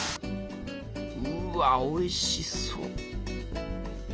うわおいしそう。